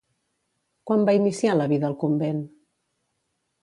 Quan va iniciar la vida al convent?